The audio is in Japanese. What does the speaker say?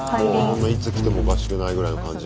もういつ来てもおかしくないぐらいの感じ。